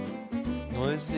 おいしい！